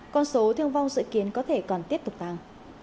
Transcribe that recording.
con số thương vong dự kiến có thể còn tiếp tục tăng